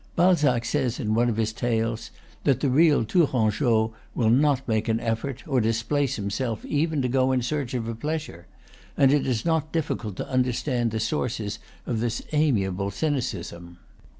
Balzac says in one of his tales that the real Tourangeau will not make an effort, or displace him self even, to go in search of a pleasure; and it is not difficult to understand the sources of this amiable cynicism.